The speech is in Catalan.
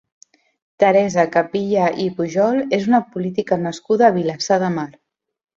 Teresa Capilla i Pujol és una política nascuda a Vilassar de Mar.